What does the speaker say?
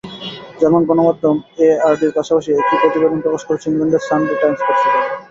German গণমাধ্যম এআরডির পাশাপাশি একই প্রতিবেদন প্রকাশ করেছে ইংল্যান্ডের সানডে টাইমস পত্রিকাও।